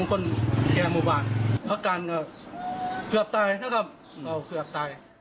พัดการเผื่ออับตายเผื่ออับตาย